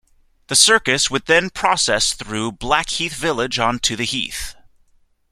The circus would then process through Blackheath Village on to the heath.